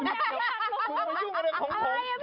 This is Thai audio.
อะไรนะพี่ขอดูเลย